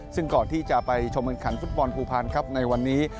ซึ่งก่อนที่จะไปชมกันขันฟุตบอลภูพันธ์ครับในวันนี้